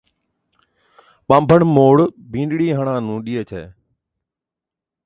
ٻانڀڻ مَئوڙ بِينڏڙِي ھاڙان نُون ڏيئي ڇَي